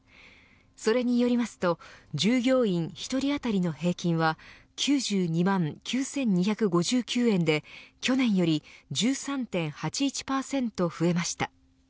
それによりますと従業員１人当たりの平均は９２万９２５９円で去年より１３．８１％増えました。